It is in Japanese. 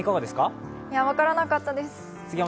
分からなかったです。